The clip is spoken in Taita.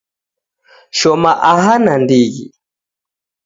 Shoma aha nandighi